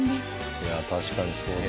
いやあ確かにそうだ。